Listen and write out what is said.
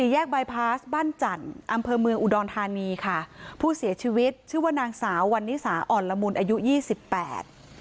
แยกบายพาสบ้านจันทร์อำเภอเมืองอุดรธานีค่ะผู้เสียชีวิตชื่อว่านางสาววันนิสาอ่อนละมุนอายุยี่สิบแปด